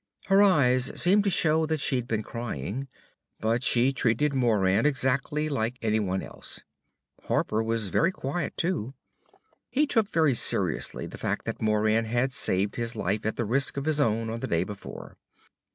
Her eyes seemed to show that she'd been crying. But she treated Moran exactly like anyone else. Harper was very quiet, too. He took very seriously the fact that Moran had saved his life at the risk of his on the day before.